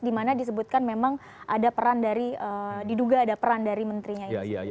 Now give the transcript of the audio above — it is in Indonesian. dimana disebutkan memang ada peran dari diduga ada peran dari menterinya